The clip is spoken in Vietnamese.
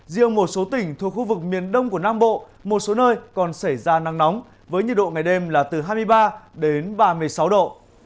riêng một số tỉnh thuộc khu vực miền đông của nam bộ một số nơi còn xảy ra nắng nóng với nhiệt độ ngày đêm là từ hai mươi ba đến ba mươi sáu độ